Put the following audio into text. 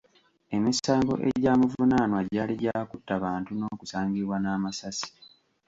Emisango egyamuvunaanwa gyali gya kutta bantu n’okusangibwa n’amasasi.